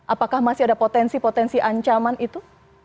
apakah masih ada potensi potensi ancaman itu